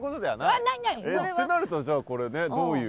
ってなるとじゃあこれねどういう。